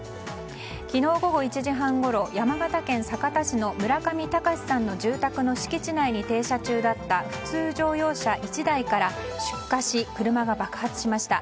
昨日午後１時半ごろ山形県酒田市の村上孝志さんの住宅の敷地内に停車中だった普通乗用車１台から出火し、車が爆発しました。